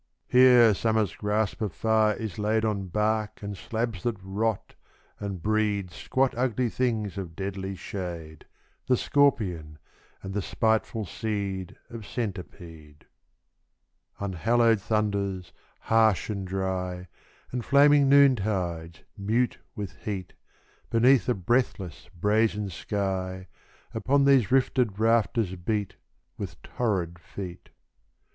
Here Summer's grasp of fire is laid On bark and slabs that rot, and breed Squat ugly things of deadly shade, The scorpion, and the spiteful seed Of centipede. Unhallowed thunders, harsh and dry, And flaming noontides, mute with heat, Beneath the breathless, brazen sky, Upon these rifted rafters beat With torrid feet.